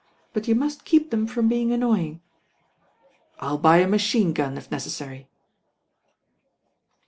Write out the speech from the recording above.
must keep them from being annoying." ^^ I U buy a machine gun, if necessary."